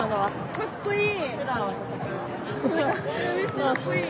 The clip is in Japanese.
かっこいい。